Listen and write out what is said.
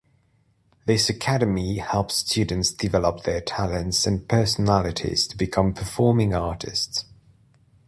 This academy helps students develop their talents and personalities to become performing artist.